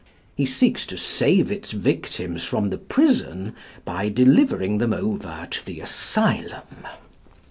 He seeks to save its victims from the prison by delivering them over to the asylum.